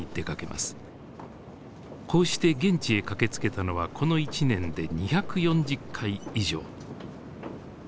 こうして現地へ駆けつけたのはこの１年で２４０回以上。